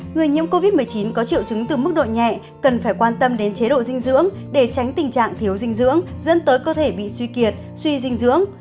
người nhiễm covid một mươi chín có triệu chứng từ mức độ nhẹ cần phải quan tâm đến chế độ dinh dưỡng để tránh tình trạng thiếu dinh dưỡng dẫn tới cơ thể bị suy kiệt suy dinh dưỡng